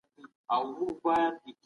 هیڅوک حق نه لري چي په بیان بندیز ولګوي.